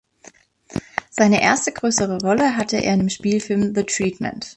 Seine erste größere Rolle hatte er in dem Spielfilm "The Treatment".